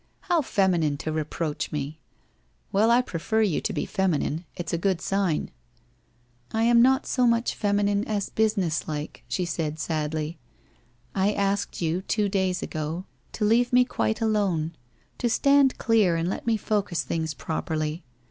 ' How feminine to reproach me ! Well, I prefer you to be feminine, it's a good sign.' 1 1 am not so much feminine, as business like/ she said sadly. ' I asked you two days ago to leave me quite alone — to stand clear and let me focus things properly.